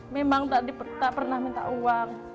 memang tak pernah minta uang